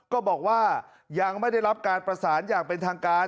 ก็บอกว่ายังไม่ได้รับการประสานอย่างเป็นทางการ